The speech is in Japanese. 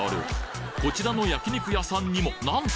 こちらの焼肉屋さんにもなんと！